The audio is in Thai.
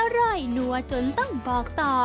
อร่อยนัวจนต้องบอกต่อ